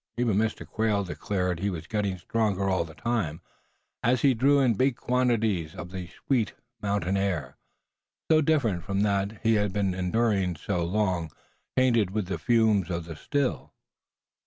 Even Mr. Quail declared he was getting stronger all the time, as he drew in big quantities of the sweet mountain air, so different from that he had been enduring so long, tainted with the fumes of the Still.